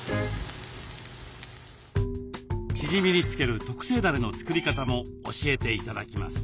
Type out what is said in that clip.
チヂミにつける特製だれの作り方も教えて頂きます。